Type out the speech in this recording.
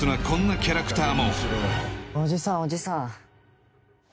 こんなキャラクターも・おじさんおじさん